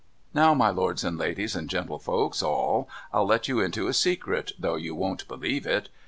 Now, my lords and ladies and gentlefolks all, I'll let you into a secret, though you won't believe it.